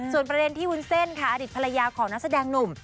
ส่วนประเด็นที่วุ้นเส้นค่ะอดีตภรรยาของนักแสดงหนุ่ม